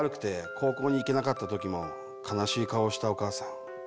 高校に行けなかった時も悲しい顔をしたお母さん。